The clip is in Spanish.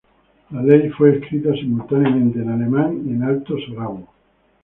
La ley fue escrita simultáneamente en alemán y en alto sorabo.